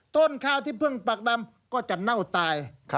ต้นข้าวที่เพิ่งปักดำก็จะเน่าตาย